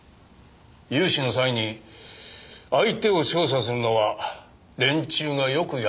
融資の際に相手を調査するのは連中がよくやる事ですから。